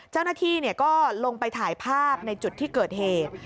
เจ้าหน้าที่ก็ลงไปถ่ายภาพในจุดที่เกิดเหตุ